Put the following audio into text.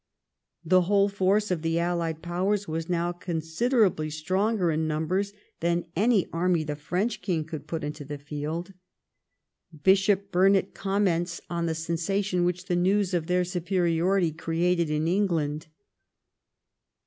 The whole force of the Allied Powers was now considerably stronger in numbers than any army the French King could put into the field. Bishop Burnet com ments on the sensation which the news of their superiority created in England.